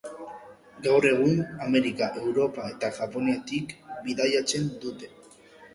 Gaur egun Amerika, Europa eta Japoniatik bidaiatzen dute.